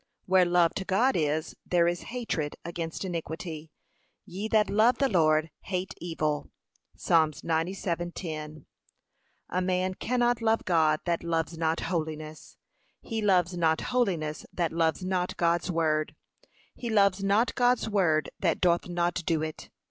Where love to God is, there is hatred against iniquity; 'ye that love the Lord, hate evil.' (Psa. 97:10) A man cannot love God that loves not holiness; he loves not holiness that loves not God's word; he loves not God's word that doth not do it.